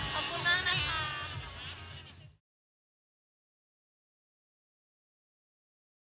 ขอบคุณมากนะคะ